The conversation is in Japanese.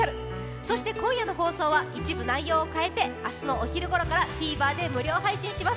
そして今夜の放送は一部内容を変えて明日のお昼ごろからＴＶｅｒで無料配信します。